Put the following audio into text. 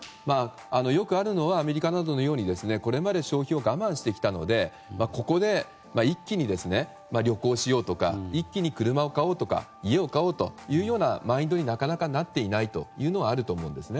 よくあるのはアメリカなどのようにこれまで消費を我慢してきたのでここで一気に旅行しようとか一気に車を買おうとか家を買おうというマインドになかなかなっていないというのはあると思うんですね。